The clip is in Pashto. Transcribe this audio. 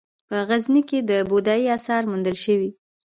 په غزني کې د بودايي اثار موندل شوي